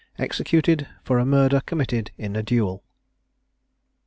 EXECUTED FOR A MURDER COMMITTED IN A DUEL.